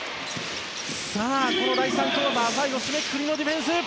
さあ、この第３クオーター最後締めくくりのディフェンス。